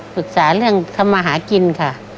ปรึกษาเรื่องทำมาหากินค่ะ